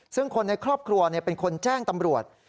ซึ่งคนในครอบครัวเป็นคนแจ้งตำรวจ